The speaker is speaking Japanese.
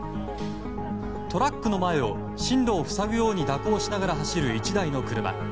トラックの前を進路を塞ぐように蛇行しながら走る１台の車。